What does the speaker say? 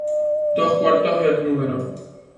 Dos cuartos el número.